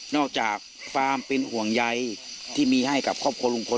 อกจากความเป็นห่วงใยที่มีให้กับครอบครัวลุงพล